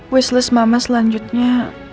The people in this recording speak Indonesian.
wishlist mama selanjutnya